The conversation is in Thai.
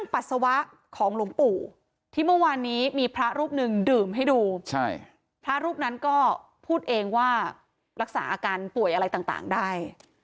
พระรูปนึงดื่มให้ดูพระรูปนั้นก็พูดเองว่ารักษาอาการป่วยอะไรต่างได้